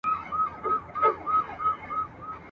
یو وخت زما هم برابره زندګي وه !.